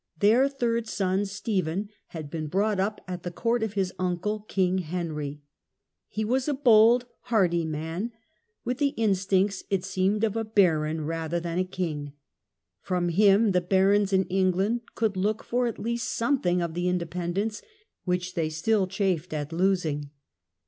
Their third son Stephen had been brought up at the court of his uncle. King Henry. He was a bold, hearty man, with the instincts, it seemed, of a baron rather than a king. From him the barons in England could look for at least something of the independence which they still chafed at losing.